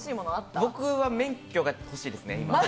僕は免許が欲しいですね。